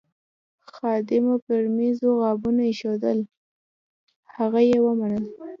خادمه پر میزو غابونه ایښوول، هغه یې ومنل.